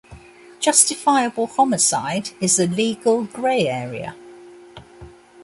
Justifiable homicide is a legal, gray area.